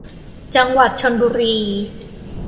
จังหวัดชลบุรี